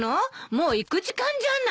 もう行く時間じゃない！